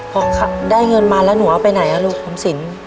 พอได้เงินมาแล้วหนูเอาไปไหนลูกออมสิน